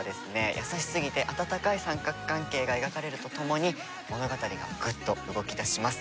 優しすぎて温かい三角関係が描かれるとともに物語がぐっと動きだします。